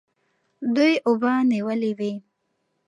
دوی اوبه نیولې وې.